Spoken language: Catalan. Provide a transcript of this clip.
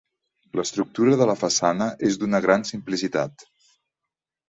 L'estructura de la façana és d'una gran simplicitat.